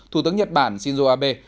thủ tướng nhật bản shinzo abe